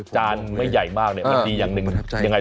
จานไม่ใหญ่มากเนี่ยมันดีอย่างนึง